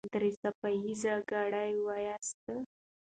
درې څپه ايزه ګړې وواياست.